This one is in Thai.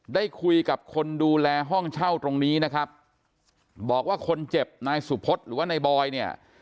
ได้คุยกับคนดูแลห้องเช่าตรงนี้นะครับบอกว่าคนเจ็บนายสุพธิ์หรือว่านายบอยเนี่ย